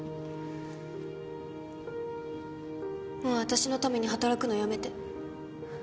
もう私のために働くのやめて。